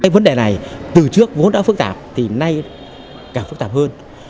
vấn đề này từ trước vốn đã phức tạp thì nay càng phức tạp hơn